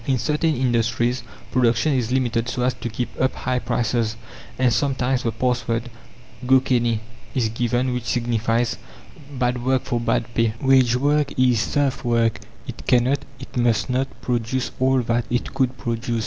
In certain industries production is limited so as to keep up high prices, and sometimes the pass word, "Go canny," is given, which signifies, "Bad work for bad pay!" Wage work is serf work; it cannot, it must not, produce all that it could produce.